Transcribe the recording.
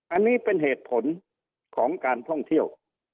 อันนี้เป็นเหตุผลของการท่องเที่ยว